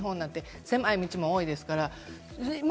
狭い道も多いですから、日本は。